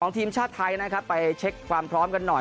ของทีมชาติไทยไปเช็คความพร้อมกันหน่อย